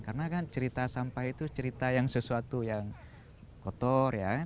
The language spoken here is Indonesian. karena cerita sampah itu cerita yang sesuatu yang kotor